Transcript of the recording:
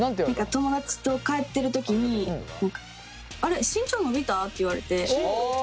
友達と帰ってる時に「あれ？身長伸びた？」って言われて。